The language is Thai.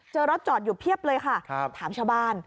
รถจอดอยู่เพียบเลยค่ะถามชาวบ้าน